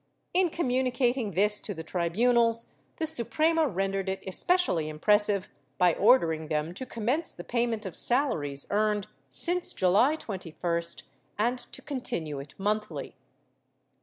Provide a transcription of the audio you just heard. In com municating this to the tribunals, the Suprema rendered it especially impressive by ordering them to commence the payment of salaries earned since July 21st and to continue it monthly.